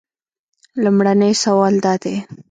لومړنی سوال دا دی.